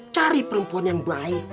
cari perempuan yang baik